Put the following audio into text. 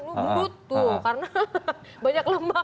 lu gendut tuh karena banyak lemak gitu ya